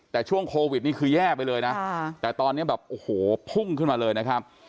แต่ช่วงโควิดนี่คือแย่ไปเลยนะแต่ตอนนี้แบบโอ้โหพุ่งขึ้นมาเลยนะครับ